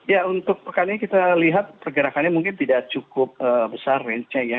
ya untuk pekannya kita lihat pergerakannya mungkin tidak cukup eee besar range nya ya